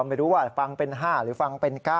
ไม่รู้ว่าฟังเป็น๕หรือฟังเป็น๙